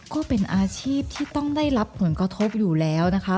ก็เป็นอาชีพที่ต้องได้รับผลกระทบอยู่แล้วนะคะ